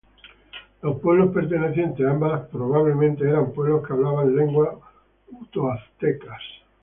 Los pueblos pertenecientes a ambas probablemente eran pueblos que hablaban lenguas utoaztecas.